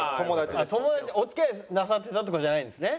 友達お付き合いなさってたとかじゃないんですね？